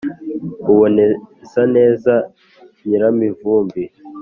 uboneza neza nyiramivumbi